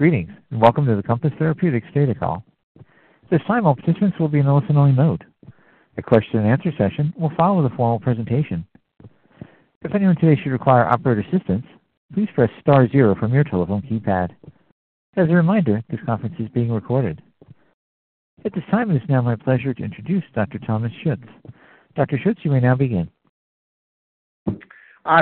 Greetings, and welcome to the Compass Therapeutics data call. At this time, all participants will be in a listen-only mode. A question-and-answer session will follow the formal presentation. If anyone today should require operator assistance, please press star zero from your telephone keypad. As a reminder, this conference is being recorded. At this time, it is now my pleasure to introduce Dr. Thomas Schütz. Dr. Schütz, you may now begin.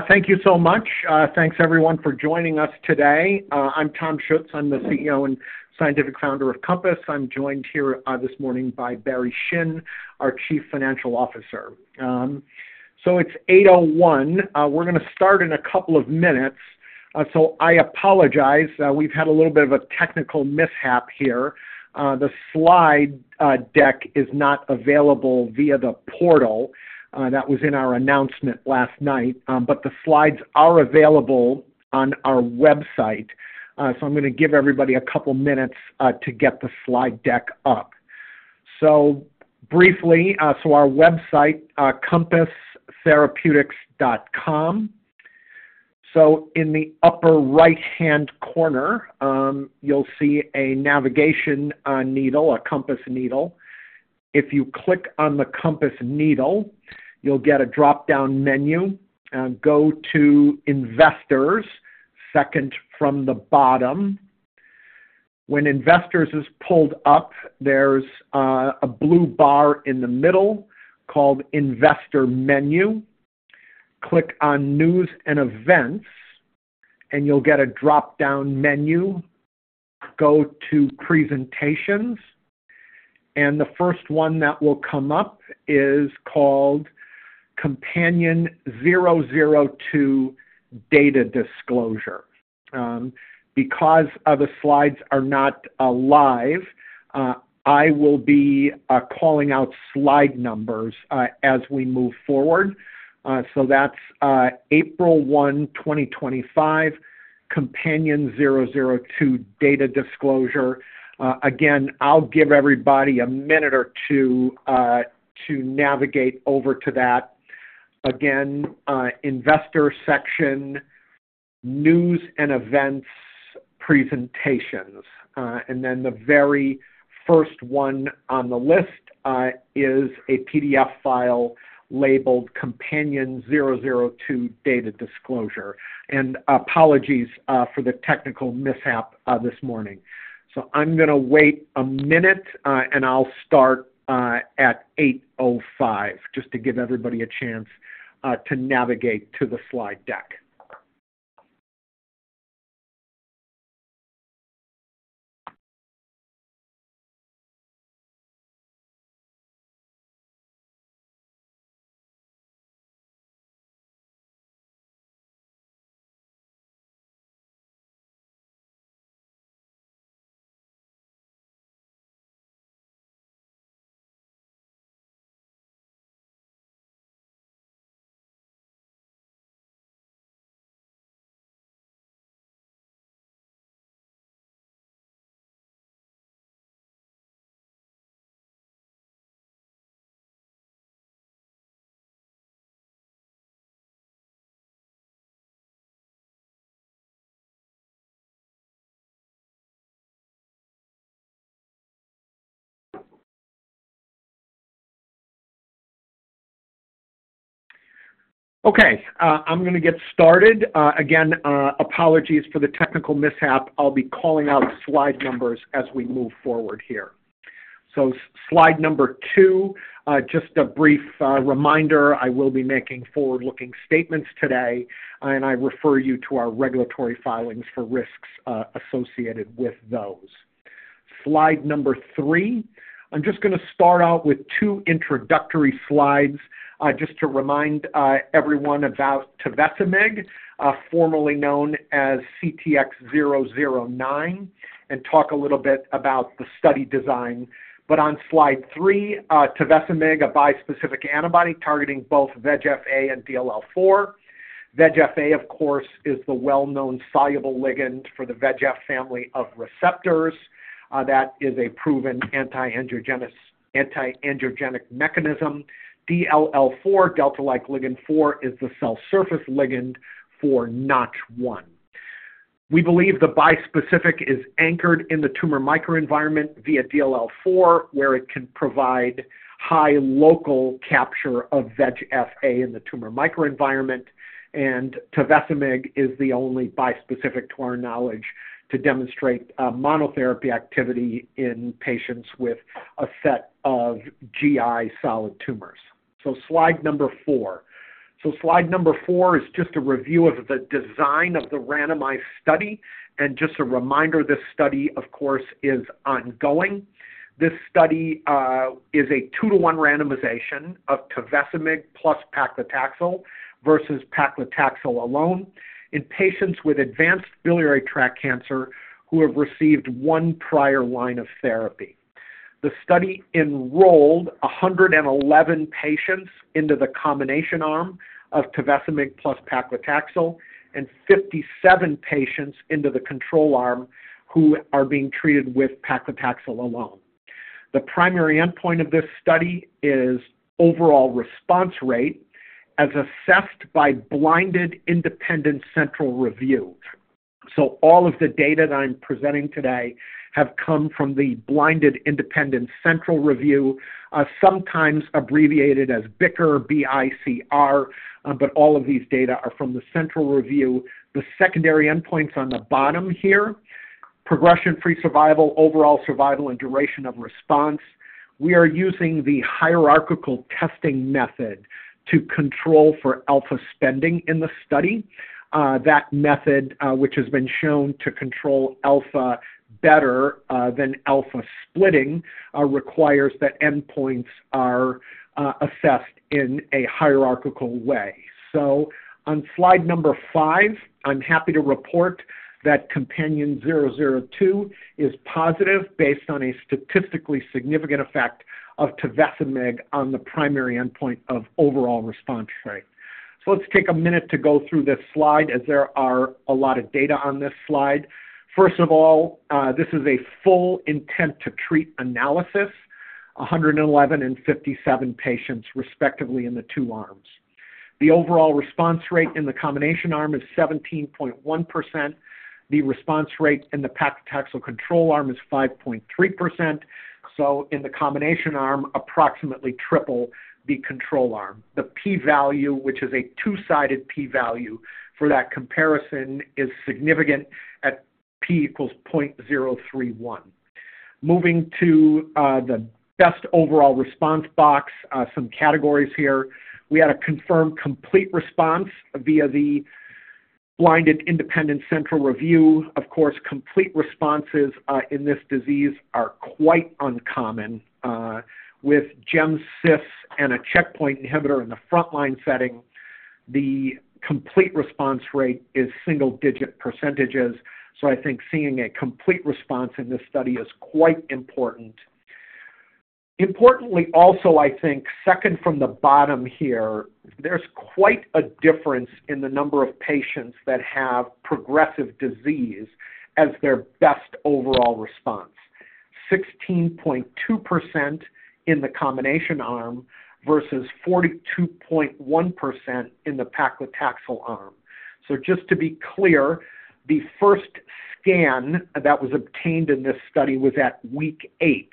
Thank you so much. Thanks, everyone, for joining us today. I'm Tom Schütz. I'm the CEO and scientific founder of Compass. I'm joined here this morning by Barry Shin, our Chief Financial Officer. It's 8:01. We're going to start in a couple of minutes. I apologize. We've had a little bit of a technical mishap here. The slide deck is not available via the portal that was in our announcement last night, but the slides are available on our website. I'm going to give everybody a couple of minutes to get the slide deck up. Briefly, that's our website, compasstherapeutics.com. In the upper right-hand corner, you'll see a navigation needle, a compass needle. If you click on the compass needle, you'll get a drop-down menu. Go to Investors, second from the bottom. When Investors is pulled up, there is a blue bar in the middle called Investor Menu. Click on News and Events, and you will get a drop-down menu. Go to Presentations. The first one that will come up is called Companion 002 Data Disclosure. Because other slides are not alive, I will be calling out slide numbers as we move forward. That is April 1, 2025, Companion 002 Data Disclosure. I will give everybody a minute or two to navigate over to that. Investor section, News and Events, Presentations. The very first one on the list is a PDF file labeled Companion 002 Data Disclosure. Apologies for the technical mishap this morning. I am going to wait a minute, and I will start at 8:05 just to give everybody a chance to navigate to the slide deck. Okay. I am going to get started. Again, apologies for the technical mishap. I'll be calling out slide numbers as we move forward here. Slide number two, just a brief reminder, I will be making forward-looking statements today, and I refer you to our regulatory filings for risks associated with those. Slide number three, I'm just going to start out with two introductory slides just to remind everyone about Tevesemig, formerly known as CTX-009, and talk a little bit about the study design. On slide three, Tevesemig, a bispecific antibody targeting both VEGF-A and DLL4. VEGF-A, of course, is the well-known soluble ligand for the VEGF family of receptors. That is a proven anti-angiogenic mechanism. DLL4, delta-like ligand 4, is the cell surface ligand for NOTCH1. We believe the bispecific is anchored in the tumor microenvironment via DLL4, where it can provide high local capture of VEGF-A in the tumor microenvironment. Tevesemig is the only bispecific, to our knowledge, to demonstrate monotherapy activity in patients with a set of GI solid tumors. Slide number four is just a review of the design of the randomized study and just a reminder this study, of course, is ongoing. This study is a two-to-one randomization of Tevesemig plus paclitaxel versus paclitaxel alone in patients with advanced biliary tract cancer who have received one prior line of therapy. The study enrolled 111 patients into the combination arm of Tevesemig plus paclitaxel and 57 patients into the control arm who are being treated with paclitaxel alone. The primary endpoint of this study is overall response rate as assessed by Blinded Independent Central Review. All of the data that I'm presenting today have come from the Blinded Independent Central Review, sometimes abbreviated as BICR, B-I-C-R, but all of these data are from the Central Review. The secondary endpoints on the bottom here, progression-free survival, overall survival, and duration of response, we are using the hierarchical testing method to control for alpha spending in the study. That method, which has been shown to control alpha better than alpha splitting, requires that endpoints are assessed in a hierarchical way. On slide number five, I'm happy to report that COMPANION-002 is positive based on a statistically significant effect of Tevesemig on the primary endpoint of overall response rate. Let's take a minute to go through this slide as there are a lot of data on this slide. First of all, this is a full intent-to-treat analysis, 111 and 57 patients, respectively, in the two arms. The overall response rate in the combination arm is 17.1%. The response rate in the paclitaxel control arm is 5.3%. In the combination arm, approximately triple the control arm. The p-value, which is a two-sided p-value for that comparison, is significant at p equals 0.031. Moving to the best overall response box, some categories here. We had a confirmed complete response via the Blinded Independent Central Review. Of course, complete responses in this disease are quite uncommon. With GemCis and a checkpoint inhibitor in the frontline setting, the complete response rate is single-digit percentages. I think seeing a complete response in this study is quite important. Importantly also, I think, second from the bottom here, there's quite a difference in the number of patients that have progressive disease as their best overall response: 16.2% in the combination arm versus 42.1% in the paclitaxel arm. Just to be clear, the first scan that was obtained in this study was at week eight.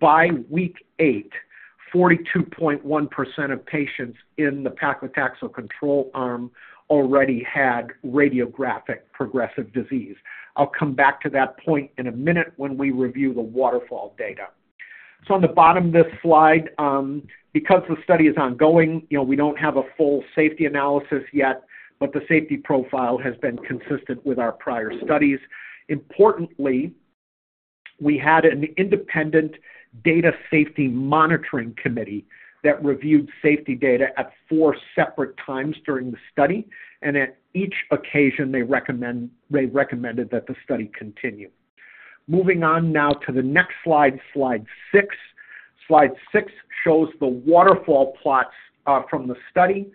By week eight, 42.1% of patients in the paclitaxel control arm already had radiographic progressive disease. I'll come back to that point in a minute when we review the waterfall data. On the bottom of this slide, because the study is ongoing, we don't have a full safety analysis yet, but the safety profile has been consistent with our prior studies. Importantly, we had an independent data safety monitoring committee that reviewed safety data at four separate times during the study, and at each occasion, they recommended that the study continue. Moving on now to the next slide, slide six. Slide six shows the waterfall plots from the study.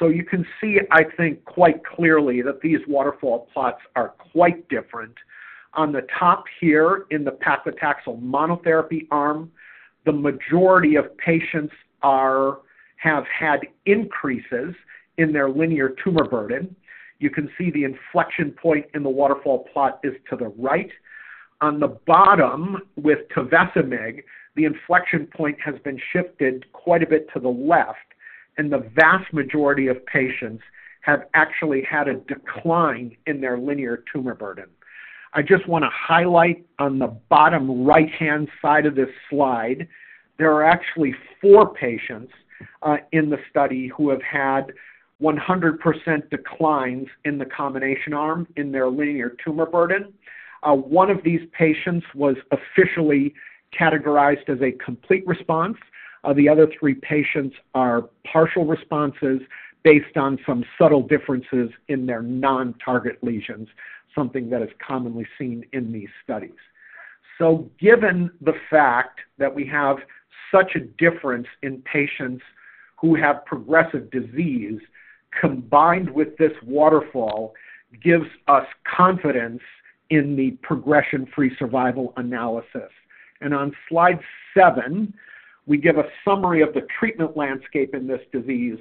You can see, I think, quite clearly that these waterfall plots are quite different. On the top here in the paclitaxel monotherapy arm, the majority of patients have had increases in their linear tumor burden. You can see the inflection point in the waterfall plot is to the right. On the bottom with Tevesemig, the inflection point has been shifted quite a bit to the left, and the vast majority of patients have actually had a decline in their linear tumor burden. I just want to highlight on the bottom right-hand side of this slide, there are actually four patients in the study who have had 100% declines in the combination arm in their linear tumor burden. One of these patients was officially categorized as a complete response. The other three patients are partial responses based on some subtle differences in their non-target lesions, something that is commonly seen in these studies. Given the fact that we have such a difference in patients who have progressive disease, combined with this waterfall, gives us confidence in the progression-free survival analysis. On slide seven, we give a summary of the treatment landscape in this disease.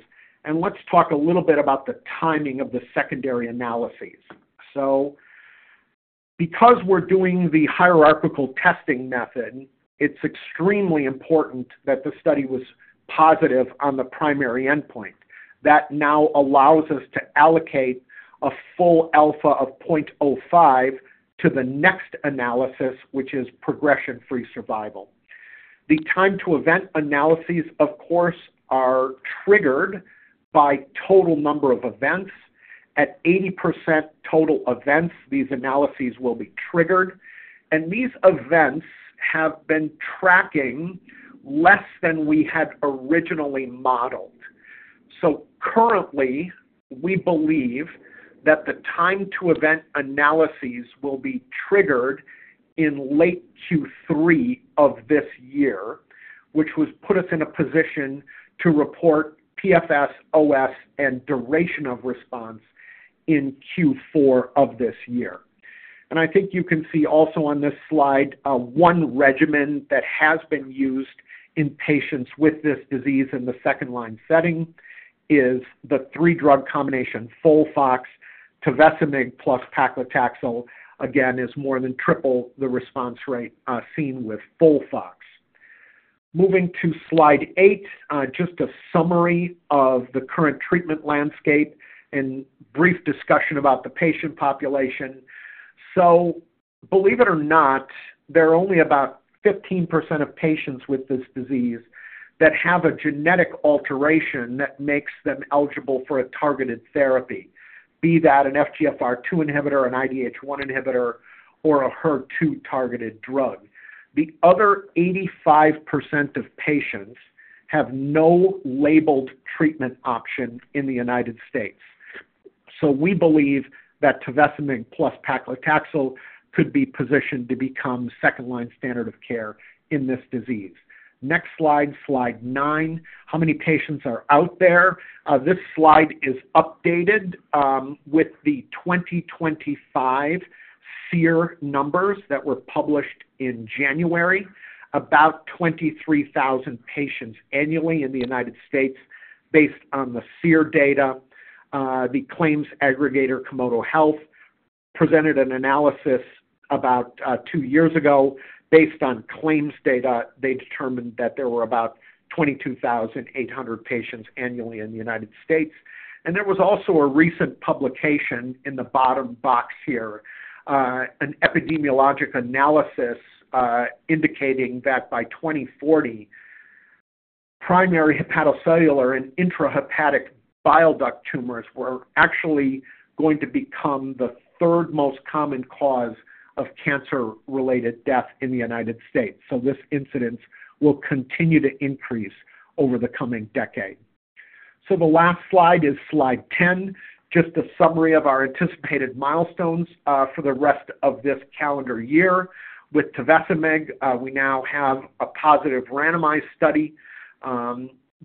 Let's talk a little bit about the timing of the secondary analyses. Because we're doing the hierarchical testing method, it's extremely important that the study was positive on the primary endpoint. That now allows us to allocate a full alpha of 0.05 to the next analysis, which is progression-free survival. The time-to-event analyses, of course, are triggered by total number of events. At 80% total events, these analyses will be triggered. These events have been tracking less than we had originally modeled. Currently, we believe that the time-to-event analyses will be triggered in late Q3 of this year, which would put us in a position to report PFS, OS, and duration of response in Q4 of this year. I think you can see also on this slide, one regimen that has been used in patients with this disease in the second-line setting is the three-drug combination, FOLFOX, Tevesemig plus paclitaxel. Again, it is more than triple the response rate seen with FOLFOX. Moving to slide eight, just a summary of the current treatment landscape and brief discussion about the patient population. Believe it or not, there are only about 15% of patients with this disease that have a genetic alteration that makes them eligible for a targeted therapy, be that an FGFR2 inhibitor, an IDH1 inhibitor, or a HER2-targeted drug. The other 85% of patients have no labeled treatment option in the United States. We believe that Tevesemig plus paclitaxel could be positioned to become second-line standard of care in this disease. Next slide, slide nine, how many patients are out there? This slide is updated with the 2025 SEER numbers that were published in January. About 23,000 patients annually in the United States, based on the SEER data, the claims aggregator, Komodo Health, presented an analysis about two years ago. Based on claims data, they determined that there were about 22,800 patients annually in the United States. There was also a recent publication in the bottom box here, an epidemiologic analysis indicating that by 2040, primary hepatocellular and intrahepatic bile duct tumors were actually going to become the third most common cause of cancer-related death in the United States. This incidence will continue to increase over the coming decade. The last slide is slide 10, just a summary of our anticipated milestones for the rest of this calendar year. With Tevesemig, we now have a positive randomized study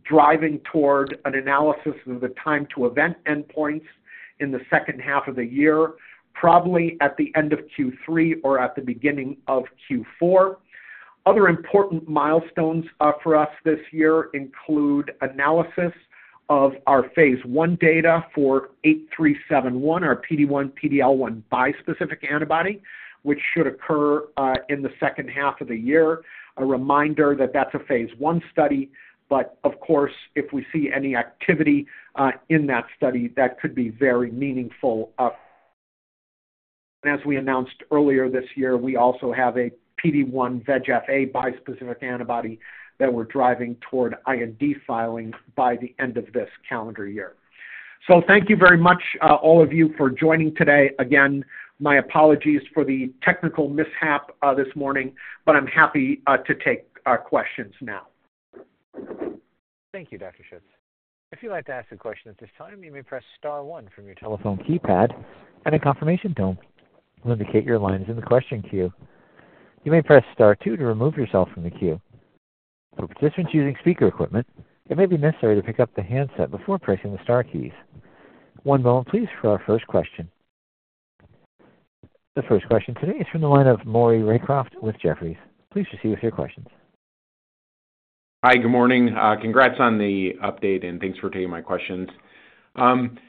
driving toward an analysis of the time-to-event endpoints in the second half of the year, probably at the end of Q3 or at the beginning of Q4. Other important milestones for us this year include analysis of our phase I data for CTX-8371, our PD-1, PD-L1 bispecific antibody, which should occur in the second half of the year. A reminder that that's a phase I study, but of course, if we see any activity in that study, that could be very meaningful. As we announced earlier this year, we also have a PD-1, VEGF-A bispecific antibody that we're driving toward IND filing by the end of this calendar year. Thank you very much, all of you, for joining today. Again, my apologies for the technical mishap this morning, but I'm happy to take questions now. Thank you, Dr. Schütz. If you'd like to ask a question at this time, you may press star one from your telephone keypad and a confirmation tone to indicate your line is in the question queue. You may press star two to remove yourself from the queue. For participants using speaker equipment, it may be necessary to pick up the handset before pressing the star keys. One moment, please, for our first question. The first question today is from the line of Maury Raycroft with Jefferies. Please proceed with your questions. Hi, good morning. Congrats on the update, and thanks for taking my questions.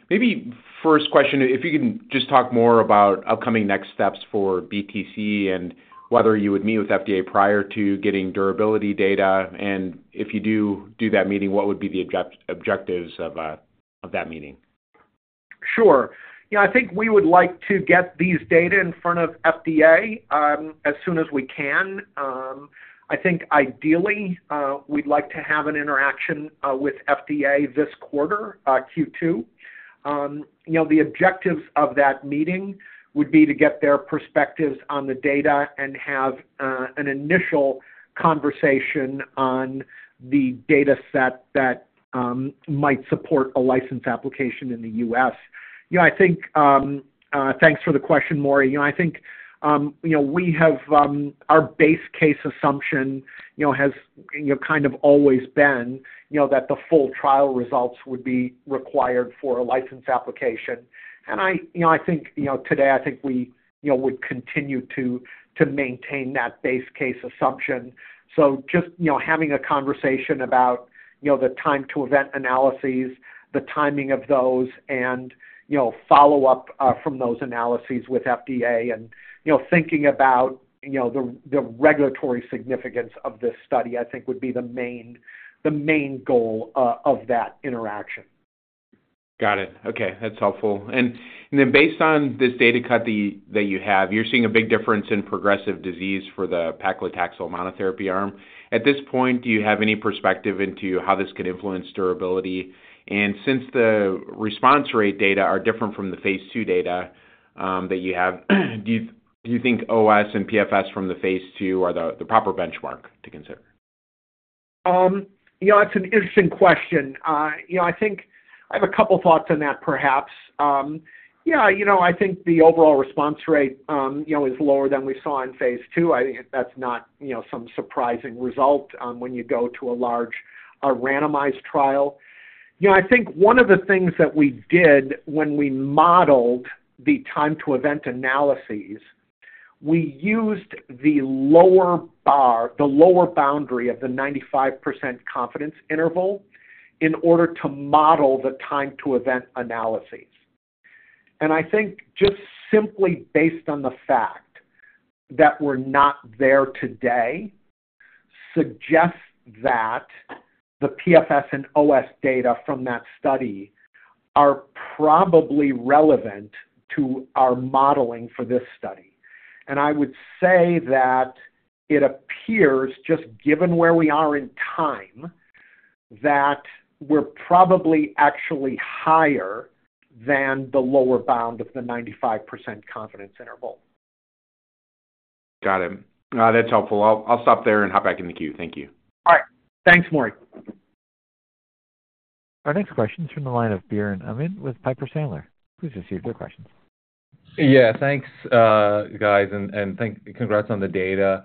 Maybe first question, if you can just talk more about upcoming next steps for BTC and whether you would meet with FDA prior to getting durability data. If you do do that meeting, what would be the objectives of that meeting? Sure. Yeah, I think we would like to get these data in front of FDA as soon as we can. I think ideally, we'd like to have an interaction with FDA this quarter, Q2. The objectives of that meeting would be to get their perspectives on the data and have an initial conversation on the data set that might support a license application in the U.S. I think thanks for the question, Maury. I think we have our base case assumption has kind of always been that the full trial results would be required for a license application. I think today, I think we would continue to maintain that base case assumption. Just having a conversation about the time-to-event analyses, the timing of those, and follow-up from those analyses with FDA and thinking about the regulatory significance of this study, I think would be the main goal of that interaction. Got it. Okay. That's helpful. Based on this data cut that you have, you're seeing a big difference in progressive disease for the paclitaxel monotherapy arm. At this point, do you have any perspective into how this could influence durability? Since the response rate data are different from the phase II data that you have, do you think OS and PFS from the phase II are the proper benchmark to consider? Yeah, it's an interesting question. I think I have a couple of thoughts on that, perhaps. Yeah, I think the overall response rate is lower than we saw in phase II. I think that's not some surprising result when you go to a large randomized trial. I think one of the things that we did when we modeled the time-to-event analyses, we used the lower boundary of the 95% confidence interval in order to model the time-to-event analyses. I think just simply based on the fact that we're not there today suggests that the PFS and OS data from that study are probably relevant to our modeling for this study. I would say that it appears, just given where we are in time, that we're probably actually higher than the lower bound of the 95% confidence interval. Got it. That's helpful. I'll stop there and hop back in the queue. Thank you. All right. Thanks, Maury. Our next question is from the line of Joe with Piper Sandler. Please proceed with your questions. Yeah, thanks, guys. Congrats on the data.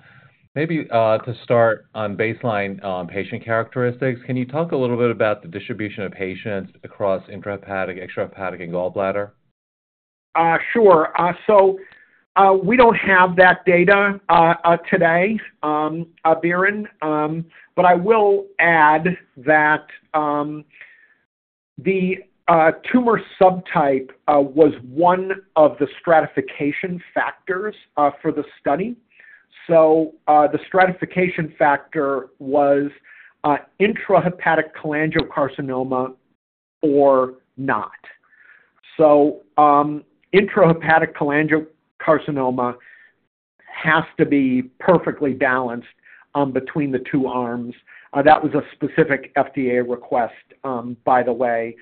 Maybe to start on baseline patient characteristics, can you talk a little bit about the distribution of patients across intrahepatic, extrahepatic, and gallbladder? Sure. We do not have that data today, Biren, but I will add that the tumor subtype was one of the stratification factors for the study. The stratification factor was intrahepatic cholangiocarcinoma or not. Intrahepatic cholangiocarcinoma has to be perfectly balanced between the two arms. That was a specific FDA request, by the way.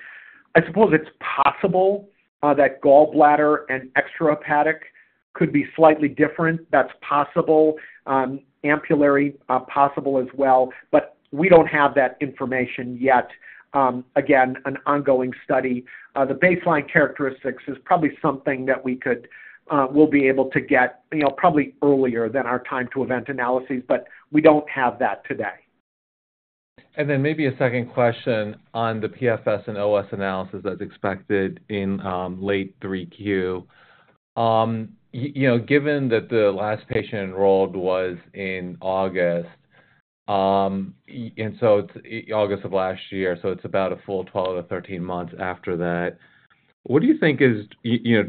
I suppose it is possible that gallbladder and extrahepatic could be slightly different. That is possible. Ampullary possible as well. We do not have that information yet. Again, an ongoing study. The baseline characteristics is probably something that we will be able to get probably earlier than our time-to-event analyses, but we do not have that today. Maybe a second question on the PFS and OS analysis that's expected in late Q3. Given that the last patient enrolled was in August, and so it's August of last year, so it's about a full 12 or 13 months after that. What do you think is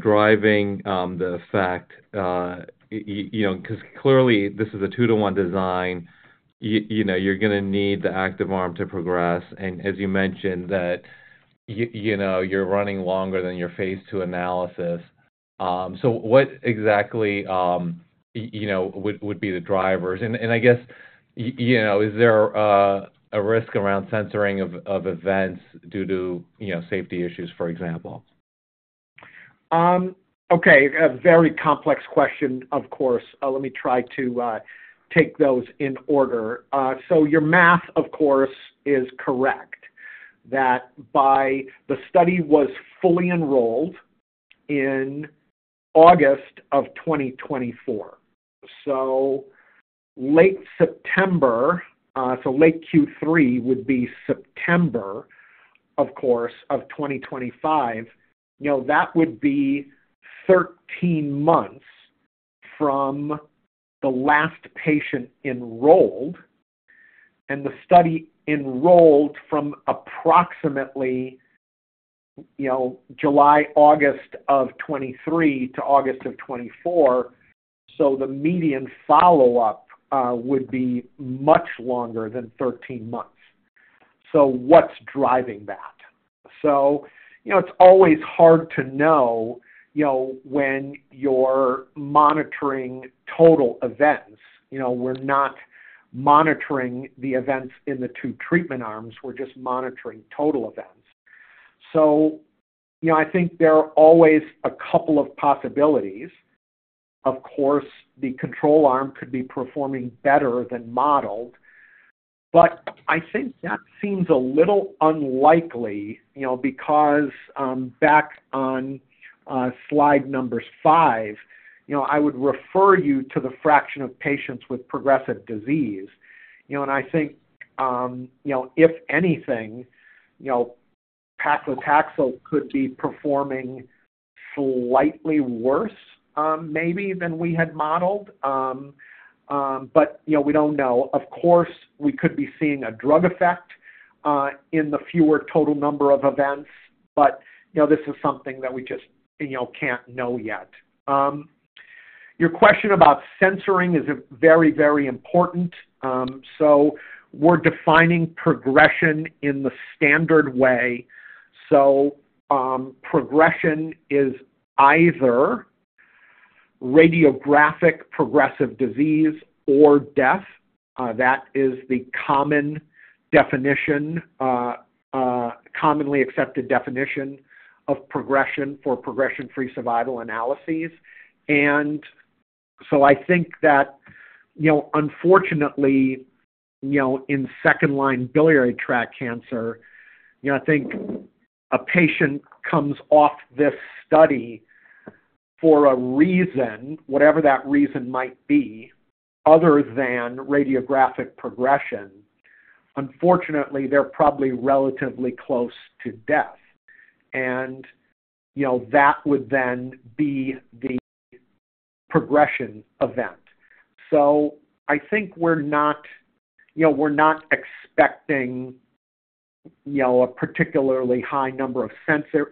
driving the effect? Because clearly, this is a two-to-one design. You're going to need the active arm to progress. As you mentioned, that you're running longer than your phase II analysis. What exactly would be the drivers? I guess, is there a risk around sensoring of events due to safety issues, for example? Okay. A very complex question, of course. Let me try to take those in order. Your math, of course, is correct, that the study was fully enrolled in August of 2024. Late September, so late Q3 would be September, of course, of 2025, that would be 13 months from the last patient enrolled. The study enrolled from approximately July, August of 2023 to August of 2024. The median follow-up would be much longer than 13 months. What's driving that? It's always hard to know when you're monitoring total events. We're not monitoring the events in the two treatment arms. We're just monitoring total events. I think there are always a couple of possibilities. Of course, the control arm could be performing better than modeled. I think that seems a little unlikely because back on slide number five, I would refer you to the fraction of patients with progressive disease. I think, if anything, paclitaxel could be performing slightly worse, maybe, than we had modeled. We do not know. Of course, we could be seeing a drug effect in the fewer total number of events, but this is something that we just cannot know yet. Your question about sensoring is very, very important. We are defining progression in the standard way. Progression is either radiographic progressive disease or death. That is the common definition, commonly accepted definition of progression for progression-free survival analyses. I think that, unfortunately, in second-line biliary tract cancer, a patient comes off this study for a reason, whatever that reason might be, other than radiographic progression. Unfortunately, they are probably relatively close to death. That would then be the progression event. I think we're not expecting a particularly high number of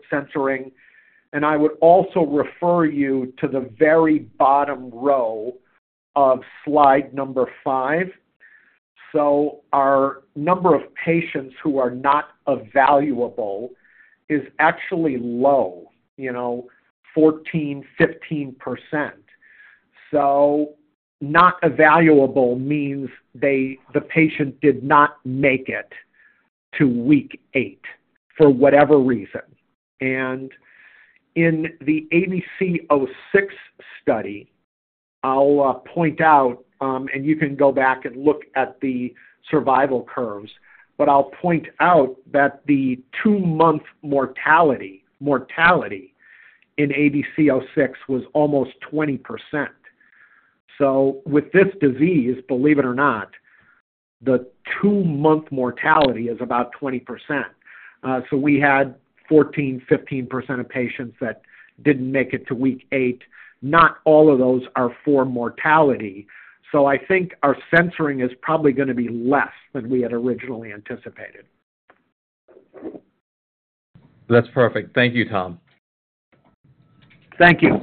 sensoring. I would also refer you to the very bottom row of slide number five. Our number of patients who are not evaluable is actually low, 14-15%. Not evaluable means the patient did not make it to week eight for whatever reason. In the ABC06 study, I'll point out, and you can go back and look at the survival curves, but I'll point out that the two-month mortality in ABC06 was almost 20%. With this disease, believe it or not, the two-month mortality is about 20%. We had 14-15% of patients that didn't make it to week eight. Not all of those are for mortality. I think our sensoring is probably going to be less than we had originally anticipated. That's perfect. Thank you, Tom. Thank you.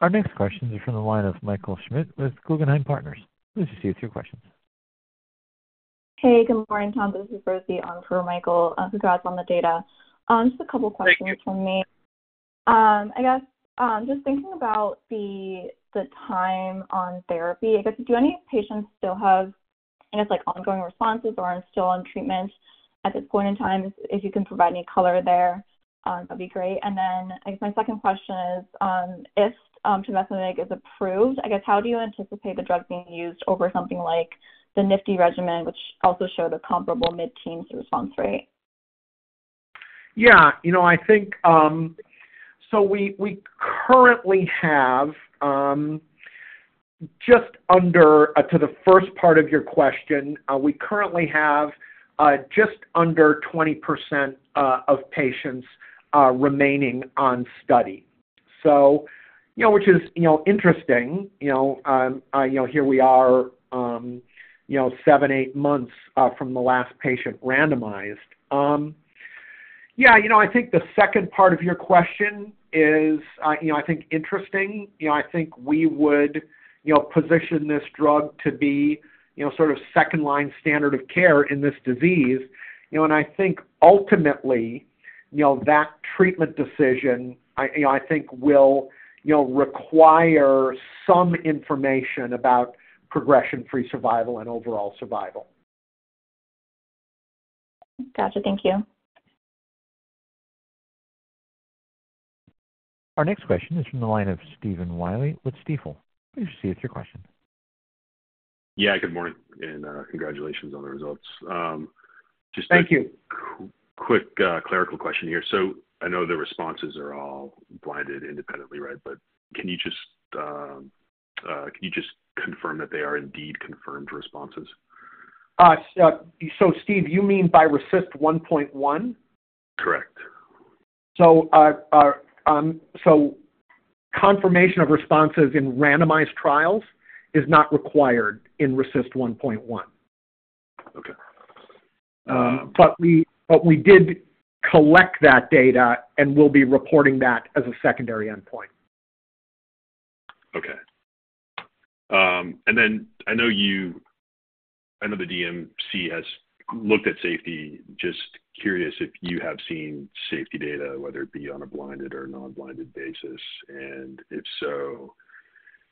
Our next questions are from the line of Michael Schmidt with Guggenheim Partners. Please proceed with your questions. Hey, good morning, Tom. This is Rosie on for Michael. Congrats on the data. Just a couple of questions from me. I guess just thinking about the time on therapy, I guess, do any patients still have, I guess, ongoing responses or are still on treatment at this point in time? If you can provide any color there, that'd be great. My second question is, if Tevesemig is approved, I guess, how do you anticipate the drug being used over something like the NIFTY regimen, which also showed a comparable mid-teens response rate? Yeah. I think so we currently have just under, to the first part of your question, we currently have just under 20% of patients remaining on study, which is interesting. Here we are, seven, eight months from the last patient randomized. Yeah, I think the second part of your question is, I think, interesting. I think we would position this drug to be sort of second-line standard of care in this disease. I think ultimately, that treatment decision, I think, will require some information about progression-free survival and overall survival. Gotcha. Thank you. Our next question is from the line of Stephen Willey with Stifel. Please proceed with your question. Yeah, good morning. Congratulations on the results. Just a quick clerical question here. I know the responses are all blinded independently, right? Can you just confirm that they are indeed confirmed responses? Steve, you mean by RECIST 1.1? Correct. Confirmation of responses in randomized trials is not required in RECIST 1.1. But we did collect that data and will be reporting that as a secondary endpoint. Okay. I know the DMC has looked at safety. Just curious if you have seen safety data, whether it be on a blinded or non-blinded basis. If so,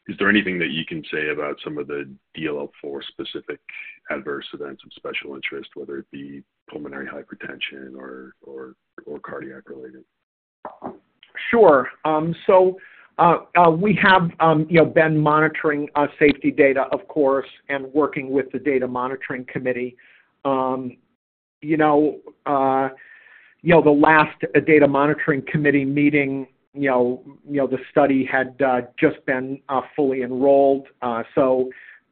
is there anything that you can say about some of the DLL4-specific adverse events of special interest, whether it be pulmonary hypertension or cardiac-related? Sure. We have been monitoring safety data, of course, and working with the data monitoring committee. The last data monitoring committee meeting, the study had just been fully enrolled. I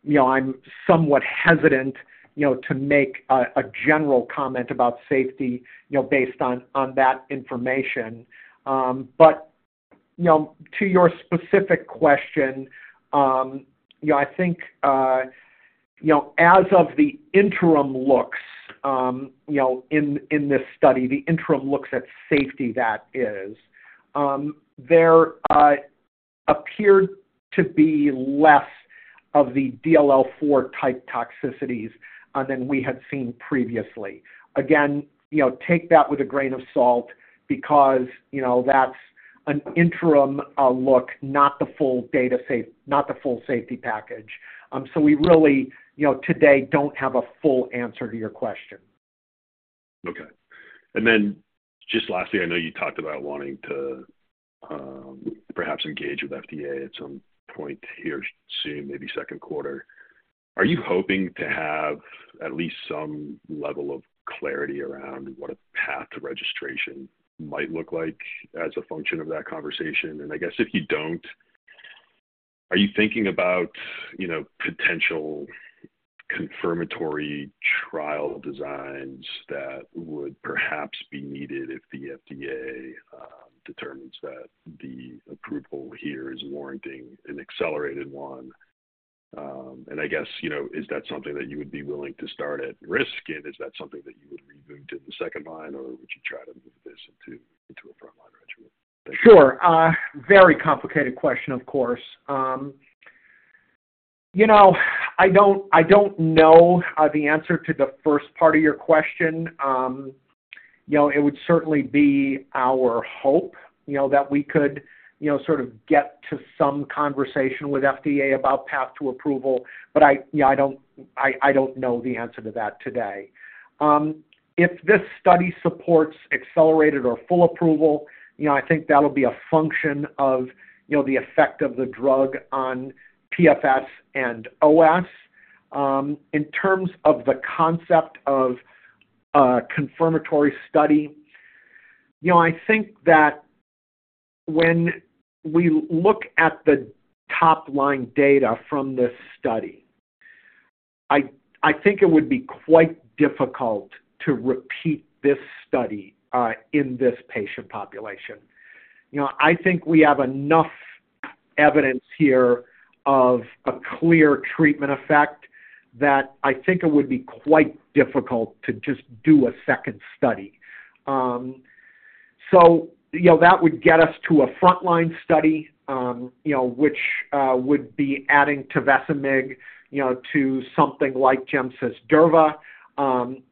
am somewhat hesitant to make a general comment about safety based on that information. To your specific question, I think as of the interim looks in this study, the interim looks at safety that is, there appeared to be less of the DLL4-type toxicities than we had seen previously. Again, take that with a grain of salt because that is an interim look, not the full safety package. We really today do not have a full answer to your question. Okay. Lastly, I know you talked about wanting to perhaps engage with FDA at some point here soon, maybe second quarter. Are you hoping to have at least some level of clarity around what a path to registration might look like as a function of that conversation? If you do not, are you thinking about potential confirmatory trial designs that would perhaps be needed if the FDA determines that the approval here is warranting an accelerated one? Is that something that you would be willing to start at risk? Is that something that you would reboot in the second line, or would you try to move this into a frontline regimen? Sure. Very complicated question, of course. I don't know the answer to the first part of your question. It would certainly be our hope that we could sort of get to some conversation with FDA about path to approval. I don't know the answer to that today. If this study supports accelerated or full approval, I think that'll be a function of the effect of the drug on PFS and OS. In terms of the concept of confirmatory study, I think that when we look at the top-line data from this study, I think it would be quite difficult to repeat this study in this patient population. I think we have enough evidence here of a clear treatment effect that I think it would be quite difficult to just do a second study. That would get us to a frontline study, which would be adding Tevesemig to something like GemCis Durvalumab,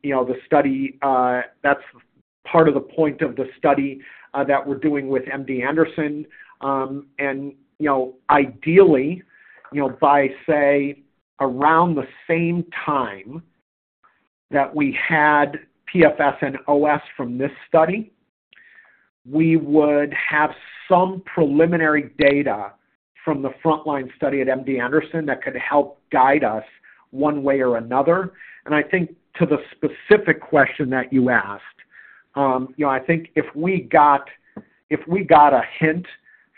the study that's part of the point of the study that we're doing with MD Anderson. Ideally, by say around the same time that we had PFS and OS from this study, we would have some preliminary data from the frontline study at MD Anderson that could help guide us one way or another. I think to the specific question that you asked, I think if we got a hint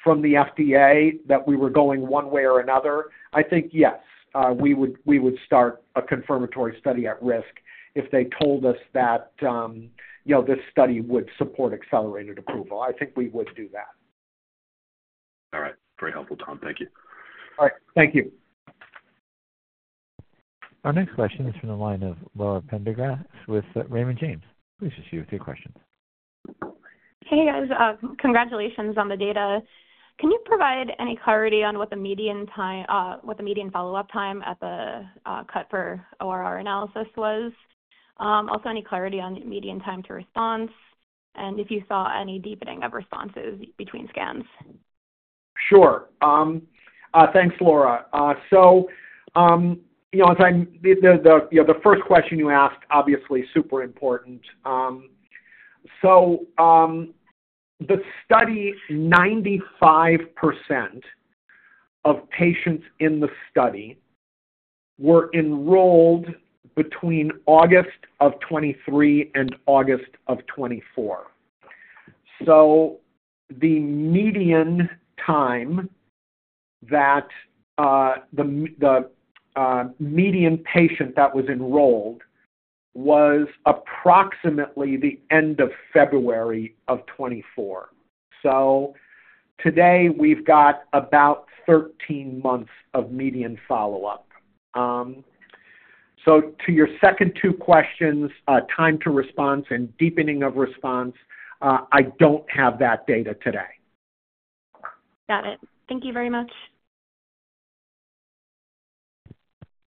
from the FDA that we were going one way or another, yes, we would start a confirmatory study at risk if they told us that this study would support accelerated approval. I think we would do that. All right. Very helpful, Tom. Thank you. All right. Thank you. Our next question is from the line of Laura Prendergast with Raymond James. Please proceed with your questions. Hey, guys. Congratulations on the data. Can you provide any clarity on what the median follow-up time at the cut for ORR analysis was? Also, any clarity on median time to response and if you saw any deepening of responses between scans? Sure. Thanks, Laura. The first question you asked, obviously, super important. The study, 95% of patients in the study were enrolled between August of 2023 and August of 2024. The median time that the median patient that was enrolled was approximately the end of February of 2024. Today, we've got about 13 months of median follow-up. To your second two questions, time to response and deepening of response, I don't have that data today. Got it. Thank you very much.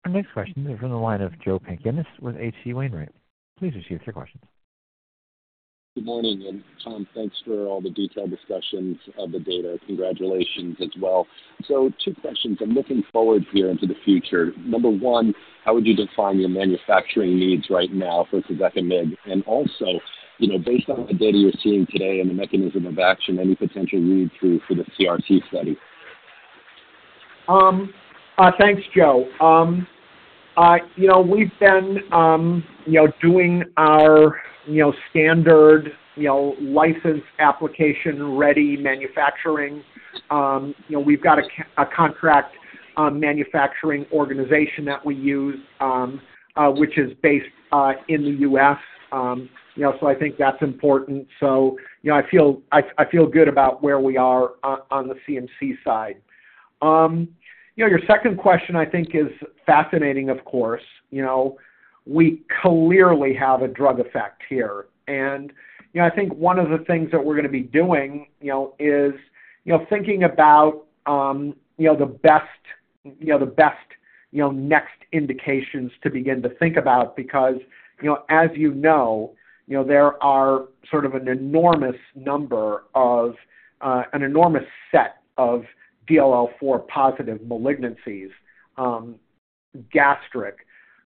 Our next question is from the line of Joe Pantginis with H.C. Wainwright. Please proceed with your questions. Good morning. Tom, thanks for all the detailed discussions of the data. Congratulations as well. Two questions. I'm looking forward here into the future. Number one, how would you define your manufacturing needs right now for Tevesemig? Also, based on the data you're seeing today and the mechanism of action, any potential read-through for the CRC study? Thanks, Joe. We've been doing our standard license application-ready manufacturing. We've got a contract manufacturing organization that we use, which is based in the U.S. I think that's important. I feel good about where we are on the CMC side. Your second question, I think, is fascinating, of course. We clearly have a drug effect here. I think one of the things that we're going to be doing is thinking about the best next indications to begin to think about because, as you know, there are sort of an enormous number of an enormous set of DLL4-positive malignancies: gastric,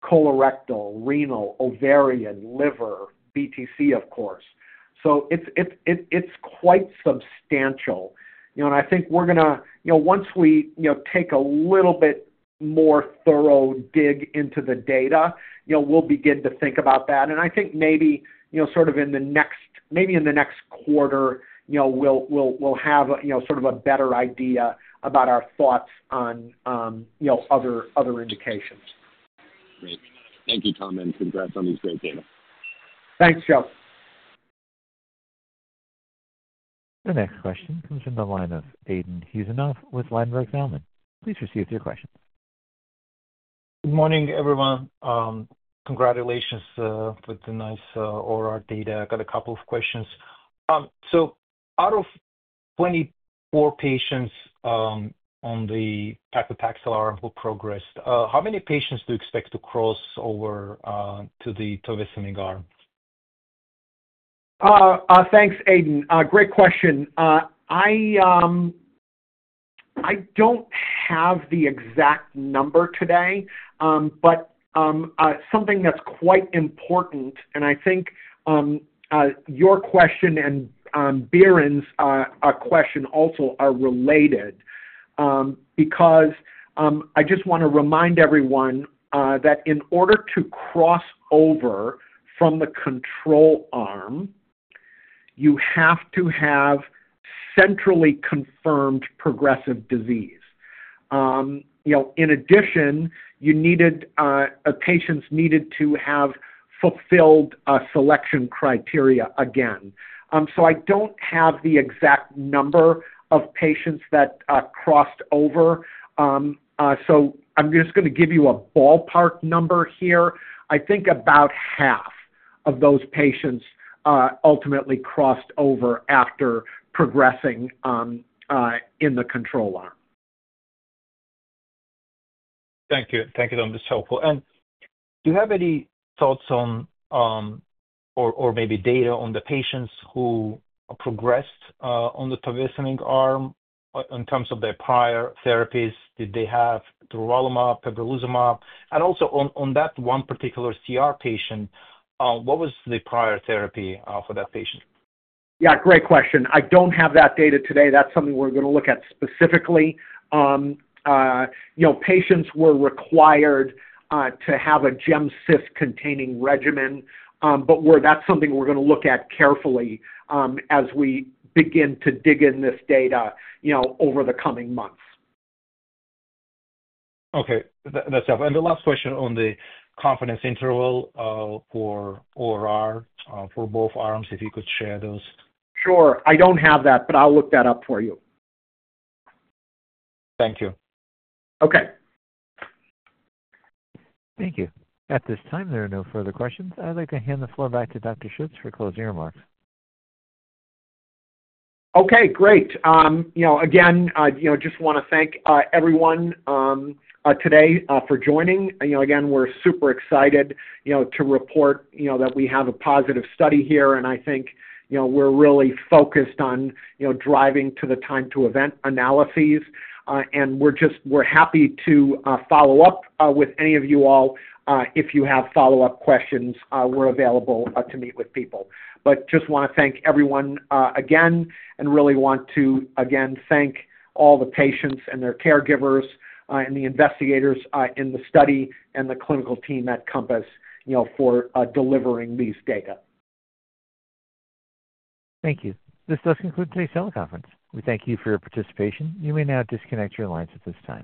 colorectal, renal, ovarian, liver, BTC, of course. It's quite substantial. I think we're going to, once we take a little bit more thorough dig into the data, begin to think about that. I think maybe sort of in the next, maybe in the next quarter, we'll have sort of a better idea about our thoughts on other indications. Great. Thank you, Tom. Congrats on these great data. Thanks, Joe. The next question comes from the line of Aidan Housenbold with Leerink Partners. Please proceed with your questions. Good morning, everyone. Congratulations with the nice ORR data. I got a couple of questions. Out of 24 patients on the paclitaxel arm, who progressed, how many patients do you expect to cross over to the Tevesemig arm? Thanks, Aidan. Great question. I do not have the exact number today, but something that is quite important. I think your question and Barry's question also are related because I just want to remind everyone that in order to cross over from the control arm, you have to have centrally confirmed progressive disease. In addition, patients needed to have fulfilled selection criteria again. I do not have the exact number of patients that crossed over. I am just going to give you a ballpark number here. I think about half of those patients ultimately crossed over after progressing in the control arm. Thank you. Thank you. That was helpful. Do you have any thoughts on or maybe data on the patients who progressed on the Tevesemig arm in terms of their prior therapies? Did they have durvalumab, pembrolizumab? Also, on that one particular CR patient, what was the prior therapy for that patient? Yeah. Great question. I do not have that data today. That is something we are going to look at specifically. Patients were required to have a GemCis-containing regimen, but that is something we are going to look at carefully as we begin to dig in this data over the coming months. Okay. That's helpful. The last question on the confidence interval for ORR for both arms, if you could share those. Sure. I don't have that, but I'll look that up for you. Thank you. Okay. Thank you. At this time, there are no further questions. I'd like to hand the floor back to Dr. Schütz for closing remarks. Okay. Great. I just want to thank everyone today for joining. Again, we're super excited to report that we have a positive study here. I think we're really focused on driving to the time-to-event analyses. We're happy to follow up with any of you all. If you have follow-up questions, we're available to meet with people. I just want to thank everyone again and really want to thank all the patients and their caregivers and the investigators in the study and the clinical team at Compass for delivering these data. Thank you. This does conclude today's teleconference. We thank you for your participation. You may now disconnect your lines at this time.